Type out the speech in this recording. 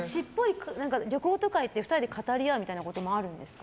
旅行とか行って２人で語り合うとかあるんですか。